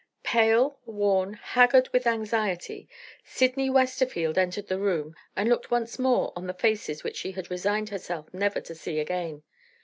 Pale, worn, haggard with anxiety, Sydney Westerfield entered the room, and looked once more on the faces which she had resigned herself never to see again.